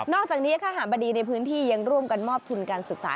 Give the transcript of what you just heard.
อกจากนี้คาหาบดีในพื้นที่ยังร่วมกันมอบทุนการศึกษา